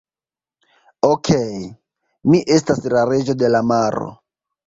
Okej. Mi estas la reĝo de la maro.